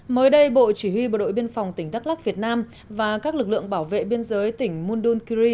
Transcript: mới đây bộ chỉ huy bộ đội biên phòng tỉnh đắk lắc việt nam và các lực lượng bảo vệ biên giới tỉnh mundunkiri